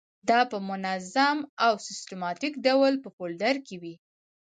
دا په منظم او سیستماتیک ډول په فولډر کې وي.